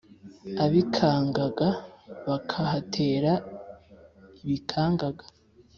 ibikangaga bakahatera ibikangaga!